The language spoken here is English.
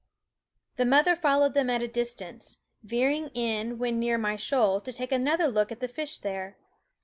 The mother followed them at a distance, veering in when near my shoal to take another look at the fish there.